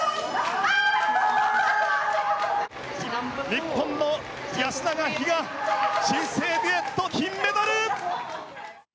日本の安永、比嘉新生デュエット、金メダル！